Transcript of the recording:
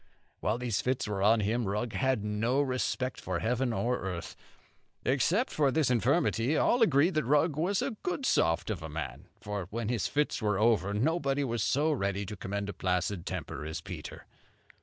While these fits were on him, Rugg had no respect for heaven or earth. Except this infirmity, all agreed that Rugg was a good soft of a man; for when his fits were over, nobody was so ready to commend a placid temper as Peter.